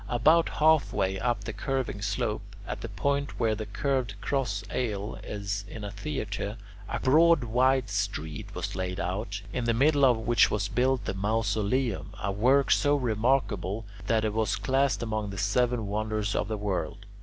About halfway up the curving slope, at the point where the curved cross aisle is in a theatre, a broad wide street was laid out, in the middle of which was built the Mausoleum, a work so remarkable that it is classed among the Seven Wonders of the World.